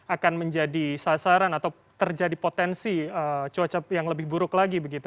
akan menjadi sasaran atau terjadi potensi cuaca yang lebih buruk lagi begitu